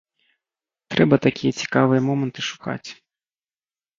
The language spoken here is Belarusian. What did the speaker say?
Трэба такія цікавыя моманты шукаць.